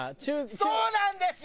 そうなんですよ！